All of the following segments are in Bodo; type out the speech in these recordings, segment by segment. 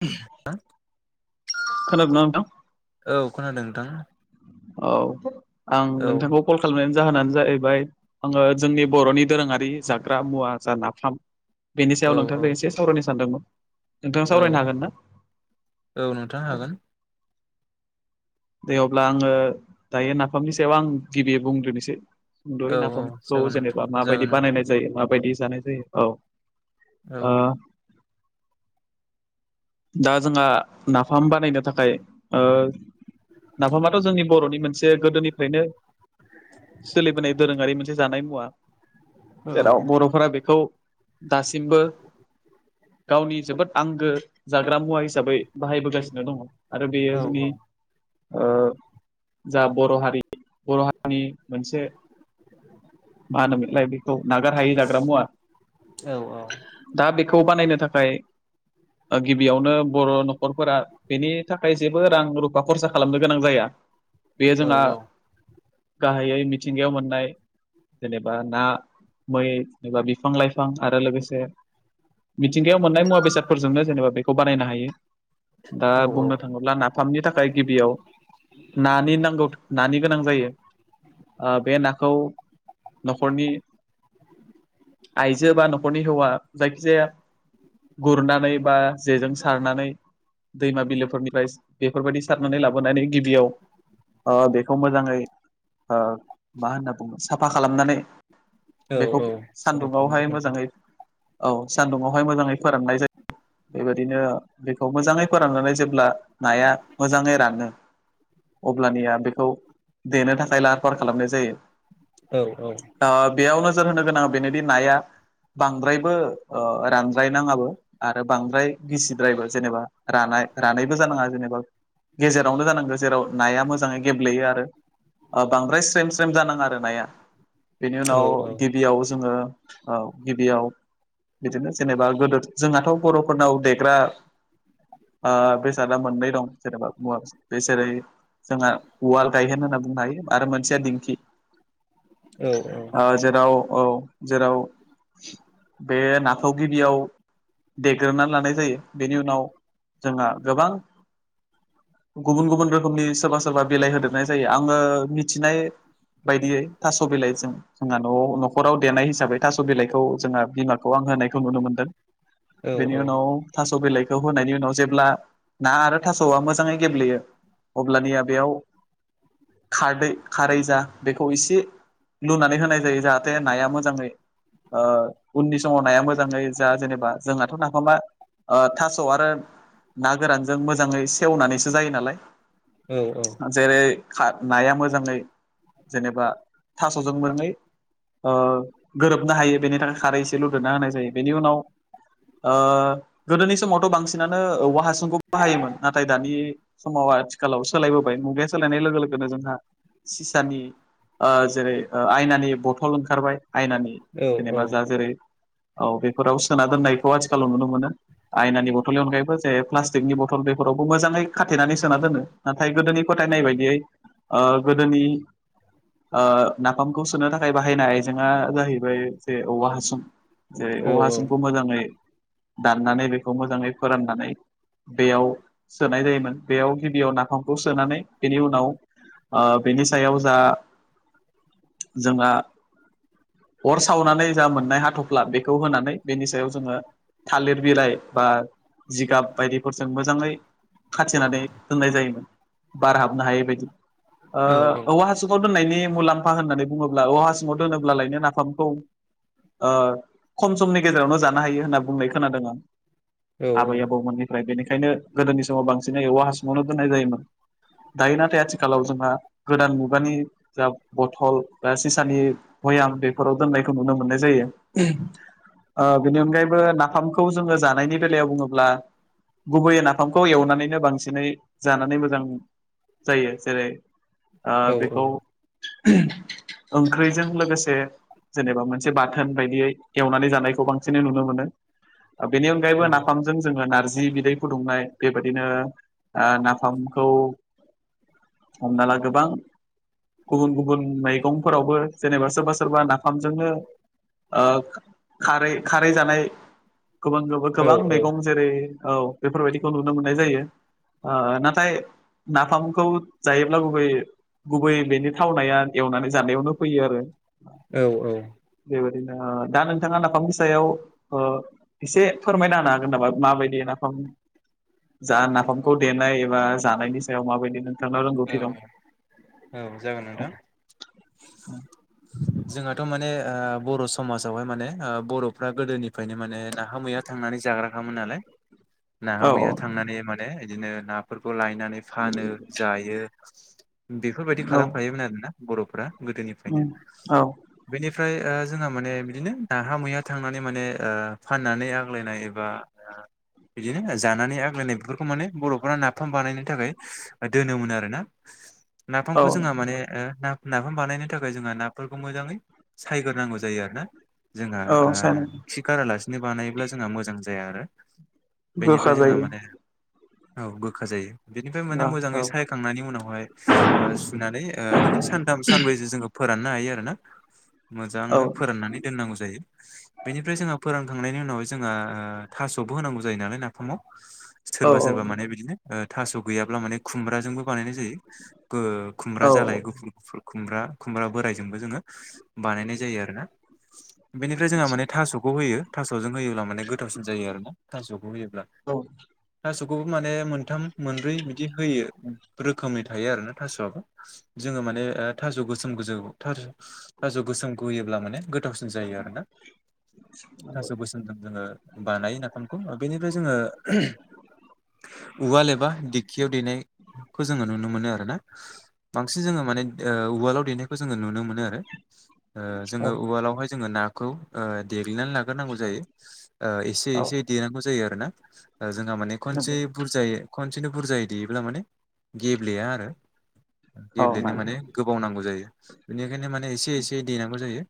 [unintelligible] खोनादोंना नोंथां औ खोनादों नोंथां औ आं औ नोंथांखौ कल खालामनायनि जाहोनानो जाहैबाय आङो जोंनि बर'नि दोरोङारि जाग्रा मुवा जा नाफाम बेनि औ सायाव औ नोंथांजों एसे सावरायनो सानदोंमोन नोंथाङा औ सावरायनो हागोन ना औ नोंथां हागोन। दे अब्ला आङो दायो, नाफामनि सायाव आं गिबि बुंग्रोनोसै दयै औ औ नाफामखौ जागोन नोंथां जेनेबा माबायदि जागोन नोंथां बानायनाय जायो माबायदि जानाय जायो औ औ ओ दा जोंहा नाफाम बानायनो थाखाय ओ नाफामाथ' जोंनि बर'नि मोनसे गोदोनिफ्रायनो सोलिबोनाय दोरोङारि मोनसे जानाय मुवा औ जेराव बर'फोरा बेखौ दासिमबो गावनि जोबोद आंगो जाग्रा मुवा हिसाबै बाहायबोगासिनो दङ आरो बेयो औ जोंनि औ ओ जा बर' हारि बर' हारिनि मोनसे मा होनोमोनलाय बेखौ नागारहायै जाग्रा मुवा औ औ दा बेखौ बानायनो थाखाय गिबियावनो बर' न'खरफोरा बेनि थाखाय जेबो रां रु फा खरसा खालामनो गोनां जाया बेयो औ जोंहा गाहायै मिथिंगायाव मोननाय जेनेबा ना मै जेनेबा बिफां लाइफां आरो लोगोसे मिथिंगायाव मोननाय मुवा बेसादफोरजोंनो जेनेबा बेखौ बानायनो हायो। दा बुंनो औ थाङोब्ला नाफामनि था खाय गिबियाव नानि नांगौ नानि गोनां जायो आ बे नाखौ न'खरनि आइजो बा न'खरनि हौवा जायखिजाया गुरनानै बा जेजों सारनानै दैमा बिलोफोरनिफ्राय बे फोरबायदि सारनानै लाबोनानै गिबियाव ओ बेखौ मोजाङै ओ मा होनना बुङो साफा खालामनानै औ बेखौ औ साबायखर खालामनाय सान्दुंङावहाय जाबाय मोजाङै औ सान्दुुंआवहाय मोजाङै फोराननाय जाय बेबायदिनो बेखौ मोजाङै फोराननानै जेब्ला नाया मोजाङै रानो अब्लानिया बेखौ देनो थाखाय लाहार फाहार खालामनाय जायो औ आ बेयावनो नोजोर होनो गोनाङा बेनोदि नाया बांद्रायबो ओ रानद्रायनाङाबो आरो बांद्राय गिसिद्रायबो जेनेबा रानाय- रानायबो जानाङा जेनेबा गेजेरावनो जानांगो जेराव नाया मोजाङै गेब्लेयो आरो ओ बांद्राय स्रेम स्रेम जानाङा आरो नाया बेनि उनाव औ औ गिबियाव जोङो ओ गिबियाव बिदिनो जेनेबा गोदो जोंहाथ' बर'फोरनाव देग्रा ओ बेसादा मोननै दं जेनेबा मुवा बेसाद बेसोरै जोंहा उवाल गायहेन होनना बुंनो हायो आरो मोनसेया दिंखि औ औ ओ जेराव औ जेराव बे नाखौ गिबियाव देग्रोनानै लानाय जायो बेनि उनाव जोंहा गोबां गुबुन गुबुन रोखोमनि सोरबा सोरबा बिलाइ होदेरनाय जायो आङो मिथिनाय बायदियै थास' बिलाइजों जोंहा न' - न'खराव देनाय हिसाबै थास' बिलाइखौ जोंहा बिमा खौ आं होनायखौ नुनो मोनदों। औ औ बेनि उनाव था स' बिलाइखौ होनायनि उनाव जेब्ला ना आरो थास'आ मोजाङै गेब्लेयो अब्लानिया बेयाव खारदै खारै जा बेखौ इसे लुनानै होनाय जायो जाहाथे नाया मोजाङै ओ उननि समाव नाया मोजाङै जा जेनेब बा जोंहाथ' नाफामा ओ थास' आरो ना गोरानजों मोजाङै सेवनानैसो जायो नालाय जेरै खा नाया मोजाङै जेनेबा थास'जों मोनै ओ गोरोबनो हायो बेनि थाखाय खारै एसे लुदेरना होनाय जायो बेनि उनाव ओ गोदोनि समावथ' बांसिनानो औवा हासुंखौ बाहायोमोन नाथाय दानि समाव आथि खालाव सोलायबोबाय मुगाया सोलायनाय लोगो लोगोनो जोंहा सिसानि ओ जेरै ओ आयनानि बथ'ल ओंखारबाय। आयनानि जेनेबा औ जा जेरै औ बेफोराव सोना दोननायखौ आथिखालाव नुनो मोनो आयनानि बथ'लनि अनगायैबो जेरै प्लास्टिकनि बथ'ल बेफोरावबो मोजाङै खाथेनानै सोना दोनो नाथाय गोदोनिफो थायनाय बायदियै ओ गोदोनि ओ नाफामखौ सोनो थाखाय बाहायनाय आइजेंआ जाहैबाय जे औवा हासुं जेरै औवा हासुं। [unintelligible] दाननानै बेखौ मोजाङै फोराननानै बेयाव सोनाय जायोमोन बेयाव गिबियाव नाफामखौ सोनानै बेनि उनाव ओ बेनि सायाव जा जोंना अर सावनानै जा मोननाय हाथ'फ्ला बेखौ होनानै बेनि सायाव जोङो थालिर बिलाइ बा जिगाब बायदिफोरजों मोजाङै खाथेनानै दोननाय जायोमोन। बार हाबनो हायै बायदि ओ औवा हासुंआव दोननायनि मुलाम्फा होननानै बुङोब्ला औवा हासुंआव दोनोब्ला लाइनो नाफामखौ ओ खम समनि गेजेरावनो जानो हायो होनना बुंनाय खोनादों आं आबै आबौमोननिफ्राय बेनिख खायनो गोदोनि समाव बांसिनै औवा हासुंआवनो दोननाय जायोमोन। दायो नाथाय आथिखालाव जोंहा गोदान मुगानि जा बथ'ल बा सिसानि भैयाम बेफोराव दोननायखौ नुनो मोननाय जायो। [unintelligible] ओ बेनि अनगायैबो नाफामखौ जोङो जानायनि बेलायाव बुङोब्ला गुबैयै नाफामखौ एवनानैनो बांसिनै जानानै मोजां। जायो जेरै ओ बेखौ ओंख्रिजों लोगोसे जेनेबा मोनसे बाथोन बायदियै एवनानै जानाय। बांसिनै नुनोमोन अनायैबो नाफामजों जोङो नार जि बिदै फुदुंनाय बेबादिनो ओ नाफामखौ हमना ला गोबां गुबुन गुबुन मैगंफोरावबो जेनेबा सोरबा सोरबा नाफामजोंनो ओ खारै खारै जानाय गोबां गोबो गोबां मैगं जेरै औ बेफोरबायदिखौ नुनो मोननाय जायो ओ नाथाय नाफामखौ जायोब्लाबो बे गुबै बेनि थावनाया एवनानै जानायावनो फैयो आरो औ औ ओरैनो दा नों नोंथाङा नाफामनि सायाव ओ एसे फोरमायना होनो हागोन नामा माबायदि नाफाम जा नाफामखौ देनाय एबा जानायनि सायाव माबायदि नों औ औ औ जागोन नोंथां जोंहाथ' माने आ बर' समाजावहाय आ माने बर'फ्रा गोदोनिफ्रायनो माने नाफाम हैया थांनानै जाग्राखामोन नालाय नाहा औ मैहा थांनानै माने बिदिनो नाफोरखौ लायनानै फानो। जायो बेफोरबायदि औ खालामखायोमोन आरोना बर'फ्रा गोदोनिफ्रायनो उम औ बेनि फ्राय आ जोंहा माने बिदिनो नाफाम मैया थांनानै माने आ फाननानै आग्लायनाय एबा बिदिनो जानानै आग्लायनाय बेफोरखौ माने बर'फोरा नाफाम बानायनो थाखाय दोनोमोन आरो ना औ नाफामखौ जोंहा माने ओ नाफाम बानायनो थाखाय जोंहा नाफोरखौ मोजाङै सायग्रोनांगौ जायो आरो ना जोंहा औ आ सान खिखागारालासिनो बानायोब्ला जोंहा मोजां जाया आरो गोखा बेनिफ्राय जोंहा जायो माने औ गोखा जायो बेनिफ्राय माने औ मो औ जांङै सायखांनानै उनावहाय ओ सुनानै ओ बिदिनो सानथाम सानब्रैसो जोङो फोरान ना हायो आरोना औ मोजांनो फोराननानै दोननांगौ जायो। बेनिफ्राय जोंहा फोरानखांनायनि उनाव जोंहा आ थास'बो होनांगौ जायो नालाय नाफामाव औ सोरबा सोरबा माने बिदिनो थास' गैयाब्ला माने खुमब्राजोंबो बानायनाय जायो। बो खुमब्रा औ जालाय गुफुर गुफुर खुमब्रा खुमब्रा बोरायजोंबो जोङो बानायनाय जायो आरो ना बेनिफ्राय जोंहा आदसा माने थास'खौ होयो। जों होयोब्ला माने गोथावसिन जायो आरोना थास'खौ होयोब्ला औ थास'खौबो माने मोन थाम, मोनब्रै बिदि रोखोमै थायो आरोना थास'आबो जोङो माने थास' गोसोम गोजौ था थास' गोसोमखौ होयोब्ला माने गोथावसिन जायो आरोना थास' गोसोमफोरजोंनो जोङो बानायो नाफामखौ बेनिफ्राय जोङो उवाल एबा दि खियाव देनायखौ जोङो नुनो मोनो आरो ना बांसिन जोङो माने उवाल्डआव देनायखौ जोङो नुनो मो नो आरो ओ औ जोंङो उवालाव हाय जोंङो नाखौ दे नानै लाग्रोनांगौ जायो ओ एसे औ एसे देनांगौ जायो आरो ना जोंहा माने खनसे नंगौ बुरजायै खनसेनो बुरजायै देयोब्ला माने गेब्लेया आरो औ गेब्लेनो माने गोबाव नांगौ जायो बिनि बेखायनो माने एसे एसे देनांगौ जायो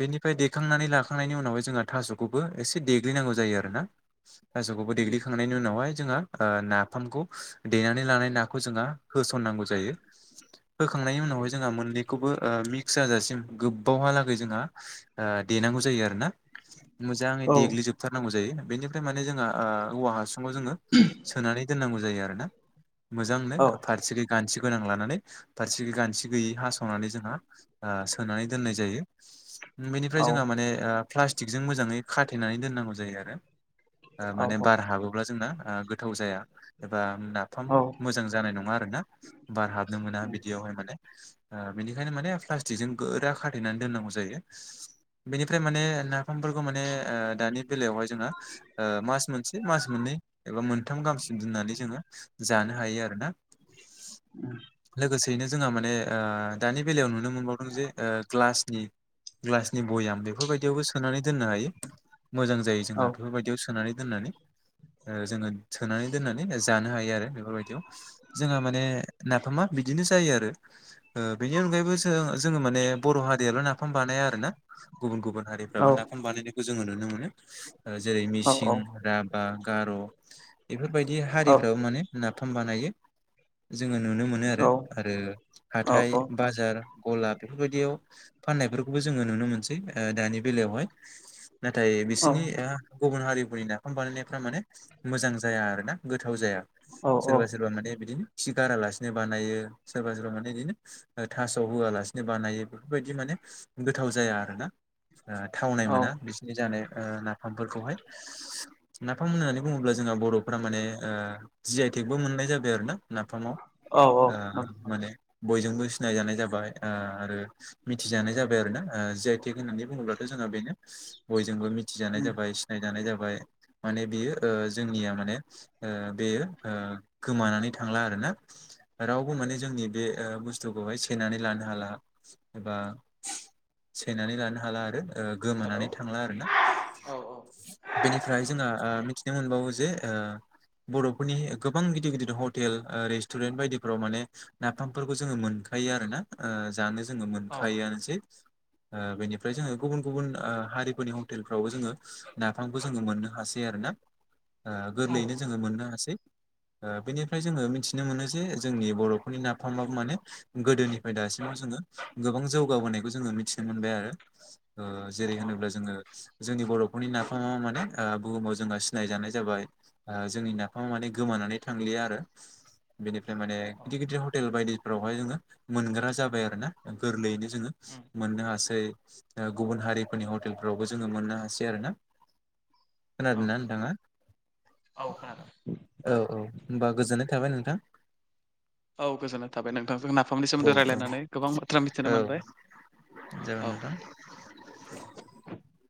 बेनि फाय देखांनानै लाखांनायनि उनावहाय जोंहा थास'खौबो एसे देग्लिनांगौ जायो आरोना थासौखौबो देग्लिखांनायनि उनावहाय जोङो नाफामखौ देनानै लानाय नाखौ जोङो होसननांगौ जायो होखांनायनि उनावहाय जोंहा मोननै खौबौ मिस्क जाजासिम गोबबावहालाै जोंहा ओ देनांगौ जायो आरोना मोजाङै औ देग्लि जोबथारनांगौ जायो बेनिफ्राय माने जोंहा औवा हा हासुंङाव जोंङो सोनानै दोननांगौ जायो आरोना मोजांनो फारसेथिं गान्थि गोनां लानानै फारसे गानसे गैयै हास'नानै जोंहा सोनानै दोननाय जायो। उम बेनिफ्राय जोंहा माने प्लास्टिकजों मोजाङै खाथेनानै दोननांगौ जायो आरो। आ औ माने बार हाबोब्ला जोंना आ गोथाव जाया एबा नाफाम औ मोजां जानाय नङा आरो ना बार हाबनो औ मोना बिदियावहाय माने। आ बेनिखायनो माने प्लास्टिकजों गोरा खाथेनानै दोननांगौ जायो बेनिफ्राय माने ना फामफोरखौ माने ओ दानि बेलायावहाय जोंहा ओ मास मोनसे मास मोननै एबा मोनथाम गाहामसि म दोननानै जोङो जानो हायो आरो ना। लोगोसे ओरैनो जोंहा माने आ दानि बेलायाव नुनो मोनबावदों जे ओ ग्लासनि ग्लासनि भयाम बेफोरबायदियावबो सोनानै दोननो हायो। मोजां जायो जोंना बेफोरबायदियाव सोनानै दोननानै ओ जोङो सोनानै दोनना नै जानो हायो आरो बेफोरबायदियाव जोंहा माने नाफामा बिदिनो जायो आरो। ओ बेनि अनगायैबो जोङो माने बर' हारिआल' नाफाम बानाया आरोना गुबुन गुबुन हारिफ्राबो नाफाम बानायनायखौ जों नुनो मोनो जेरै मिसिं राभा गार' बेफोरबाय दि हारिफ्राबो माने नाफाम बानायो। जोङो नुनो मोनो आरो आरो हाथाय बाजार गला बेफोरबायदियाव फाननायफोरखौबो जोङो नुनो मोनसै दानि बेलायावहाय। नाथाय बिसोरनिया गुबुन हारिफोरनि नाफाम बानायनायफ्रा माने मोजां जाया आरो ना। गोथाव जाया औ सोरबा सोरबा माने बिदिनो खि गारालासिनो बानायो सोरबा सोरबा माने बिदिनो थास' होआलासिनो बानायो बेफोरबायदि माने गोथाव जाया आरो ना थावनाय मोना औ बिसोरनि जानाय ओ नाफामफोरखौहाय नाफाम होननानै बुङोब्ला जोंहा बर'फोरा माने आ जि आइ थेकबो मोननाय जाबाय आरो ना नाफामाव औ आ नंगौ नंगौ माने। बयजोंबो सिनायजानाय जाबाय आ आरो मिथिजानाय जाबाय आरोना आ जि आइ टेक होननानै बुङोब्लाथ' जोङो बेनो बयजोंबो मि थिजानाय उम जाबाय सिनाय जानाय जाबाय माने बियो ओ जोंनिया माने ओ बेयो ओ गोमानानै थांला आरो ना रावबो माने जोंनि बे ओ बुस्थु खौहाय सेनानै लानो हाला एबा सेनानै लानो हाला आरो ओ हेलौ गोमानानै थांला आरो ना औ औ बेनिफ्राय औ जोंहा आ मिथि नो मोनबावो जे ओ बर'फोरनि गोबां गिदिर गिदिर हटेल ओ रेस्टुरेन्ट बायदिफोराव माने नाफामफोरखौ जोङो मोन खायो आरो ना आ जानो जोङो औ मोनखायोआनोसै आ बेनिफ्राय जोङो गुबुन गुबुन आ हारिफोरनि हटेलफ्रावबो जोङो नाफामखौ जोङो मोननो हासै आरो ना आ औ गोरलैयैनो जोङो मोननो हासै। ओ बेनिफ्राय जोङो मिथिनो मोनो जे जोंनि बर'फोरनि नाफामाबो माने गोदोनिफ्राय दासिमाव जोङो गोबां जौगाबोनायखौ जोङो मिथिनो मोनबाय आरो ओ जेरै होनोब्ला जोङो जोंनि बर'फोरनि नाफामा माने आ बुहुमाव जोंहा सिनायजानाय जाबाय आ जोंनि नाफामा माने गोमानानै थांलिया आरो बेनिफ्राय माने गिदिर गिदिर हटेल बायदि फोरावहाय जोङो मोनग्रा जाबाय आरो ना गोरलैयैनो जोङो उम मोननो हासै। ओ गुबुन हारिफोरनि हटेलफोरावबो जोङो मोननो हासै आरो ना। औ खोनादों ना नोंथाङा? औ खोनादों औ औ होनबा गोजोननाय था थाबाय नोंथां। औ गोजोननाय थाबाय नोंथांजों नाफामनि औ सोमोन्दै औ रायजलायनानै गोबां बाथ्रा मिथिनो औ मोनबाय। जागोन औ नोंथां। [inaudible]